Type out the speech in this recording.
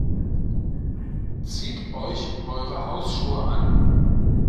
Zieht euch eure Hausschuhe an.